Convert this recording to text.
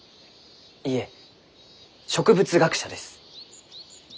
いいえ植物学者です。